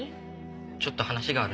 ちょっと話があるんだ。